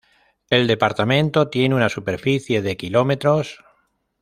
El departamento tiene una superficie de km.